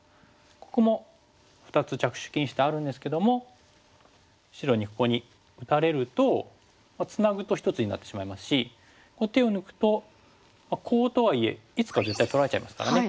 ここも２つ着手禁止点あるんですけども白にここに打たれるとツナぐと１つになってしまいますし手を抜くとコウとはいえいつか絶対取られちゃいますからね。